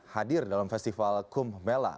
hadir dalam festival kum mela